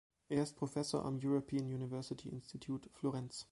Er ist Professor am European University Institute, Florenz.